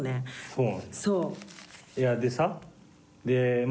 そう。